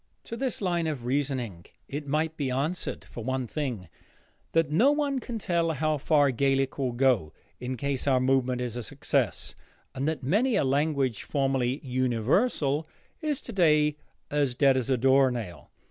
To this line of reasoning it might be answered, for one thing, that no one can tell how far Gaelic will go, in case our movement is a success, and that many a language formerly "universal" is today as dead as a door nail.